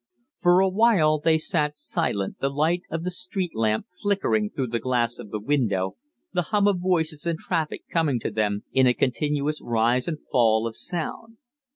For a while they sat silent, the light of the street lamp flickering through the glass of the window, the hum of voices and traffic coming to them in a continuous rise and fall of sound.